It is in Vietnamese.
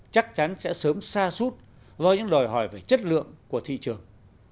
chắc chắn sẽ sớm xa suốt do những đòi hỏi về chất lượng của thị trường